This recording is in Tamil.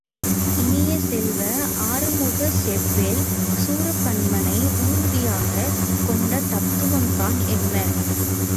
இனிய செல்வ, அறுமுகச்செவ்வேள் சூரபன்மனை ஊர்தியாகக் கொண்ட தத்துவம்தான் என்ன?